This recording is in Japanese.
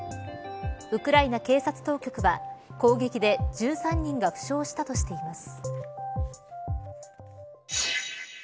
ウクライナ警察当局は攻撃で１３人が負傷したとしています。